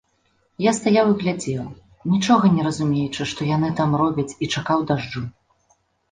Я стаяў і глядзеў, нічога не разумеючы, што яны там робяць, і чакаў дажджу.